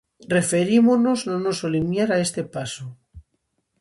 Referímonos no noso limiar a este paso.